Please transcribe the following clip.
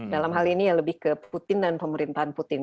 dalam hal ini ya lebih ke putin dan pemerintahan putin